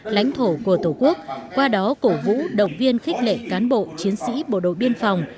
lãnh thổ của tổ quốc qua đó cổ vũ động viên khích lệ cán bộ chiến sĩ bộ đội biên phòng